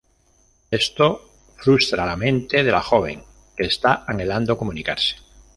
Esto frustra la mente de la joven, que está anhelando comunicarse.